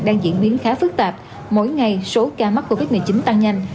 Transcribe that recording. đang diễn biến khá phức tạp mỗi ngày số ca mắc covid một mươi chín tăng nhanh